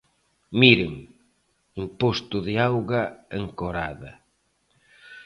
Miren, imposto de auga encorada.